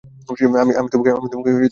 আমি তোমাকে খুব মিস করছি।